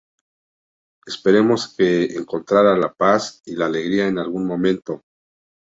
Esperemos que encontrará la paz y la alegría en algún momento.